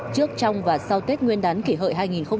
trước trong và sau tết nguyên đán kỷ hợi hai nghìn một mươi chín